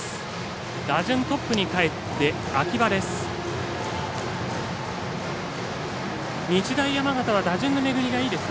打順トップにかえって秋葉です。